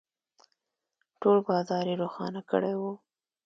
، ټول بازار يې روښانه کړی و.